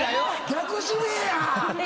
逆指名や！